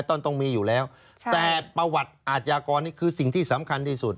ต้องมีอยู่แล้วแต่ประวัติอาชญากรนี่คือสิ่งที่สำคัญที่สุด